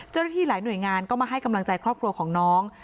เจ้าหน้าที่หลายหน่วยงานก็มาให้กำลังใจครอบครัวของน้อง